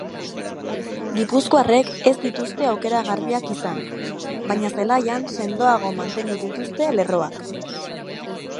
Gipuzkoarrek ez dituzte aukera garbiak izan, baina zelaian sendoago mantendu dituzte lerroak.